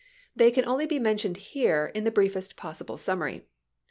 They can only be mentioned here in the briefest possible summary.